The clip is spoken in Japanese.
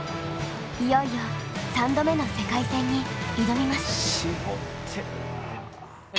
いよいよ３度目の世界戦に挑みます。